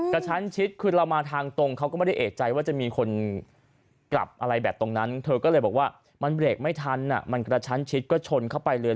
กระชั้นชิดคือเรามาทางตรงเขาก็ไม่ได้เอกใจว่าจะมีคนกลับอะไรแบบตรงนั้นเธอก็เลยบอกว่ามันเบรกไม่ทันมันกระชั้นชิดก็ชนเข้าไปเลย